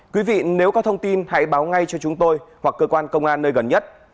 quý vị nếu có thông tin hãy báo ngay cho chúng tôi hoặc cơ quan công an nơi gần nhất